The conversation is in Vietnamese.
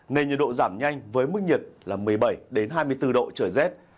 nên nhiệt độ giảm nhanh với mức nhiệt là một mươi bảy hai mươi bốn độ trời rét